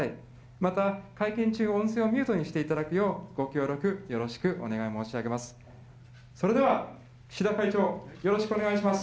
また、会見中、音声はミュートにしていただくよう、ご協力お願い申し上げます。